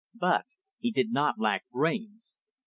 But he did not lack brains.